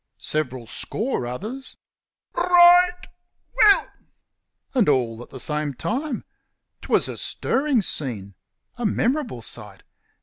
Several score others "R r rightwhee YEL!" And all at the same time. 'Twas a stirring scene a memorable sight.